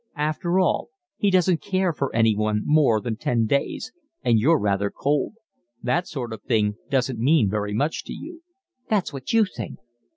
After all, he doesn't care for anyone more than ten days, and you're rather cold; that sort of thing doesn't mean very much to you." "That's what you think."